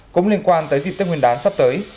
cũng liên quan tới dịp tết nguyên đán sắp tới